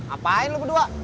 apaan lo berdua